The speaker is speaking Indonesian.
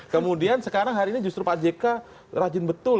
kemudian sekarang hari ini justru pak jk rajin betul